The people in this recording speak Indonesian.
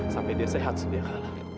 sampai dia sehat setiap hari